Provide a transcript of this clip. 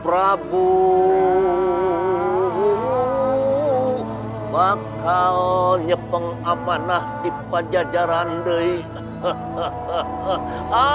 mereka akan menjaga keamanan di jalan jalan mereka